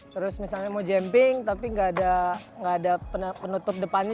terus misalnya mau jemping tapi nggak ada penutup depannya